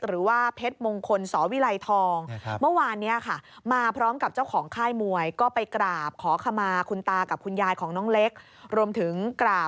หรือเป็นเพชรมงคลเสาวิลัยทอง